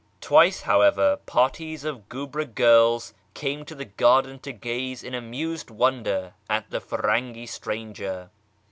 Twice, however, parties of guebre girls came to the garden to gaze in amused wonder at the Firangf stranger.